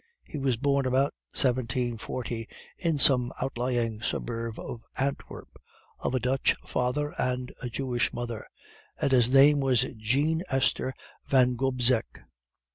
He was born about 1740, in some outlying suburb of Antwerp, of a Dutch father and a Jewish mother, and his name was Jean Esther Van Gobseck.